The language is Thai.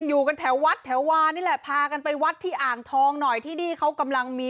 อยู่กันแถววัดแถววานี่แหละพากันไปวัดที่อ่างทองหน่อยที่นี่เขากำลังมี